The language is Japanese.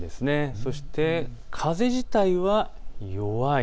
そして風自体は弱い。